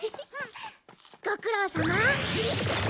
ご苦労さま。